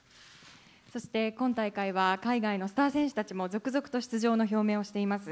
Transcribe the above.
そして、今大会は、海外のスター選手たちも続々と出場の表明をしています。